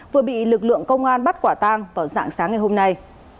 vừa bị lực lượng công an bắt quả tang vào dạng sáng ngày hôm nay